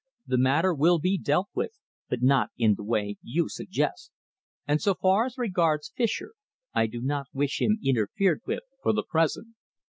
The matter will be dealt with, but not in the way you suggest. And so far as regards Fischer, I do not wish him interfered with for the present."